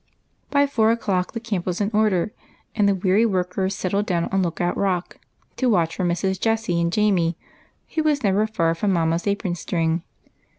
By four o'clock the camp was in order, and the weary workers settled down on Lookout Rock to watch for Mrs. Jessie and Jamie, who was never far from mamma's apron string.